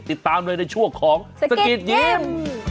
ติดตามเลยในช่วงของสกิดยิ้ม